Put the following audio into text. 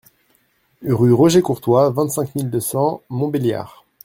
Rue Roger Courtois, vingt-cinq mille deux cents Montbéliard